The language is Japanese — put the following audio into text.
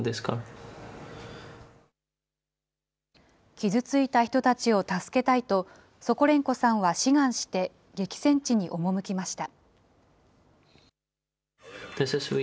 傷ついた人たちを助けたいと、ソコレンコさんは志願して激戦地に赴きました。